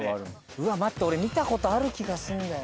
うわっ待って俺見たことある気がすんだよな。